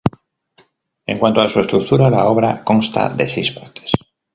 En cuanto a su estructura, la obra consta de seis partes.